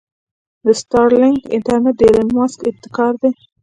د سټارلنک انټرنټ د ايلان مسک ابتکار دې.